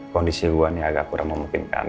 kondisi gua ini agak kurang memungkinkan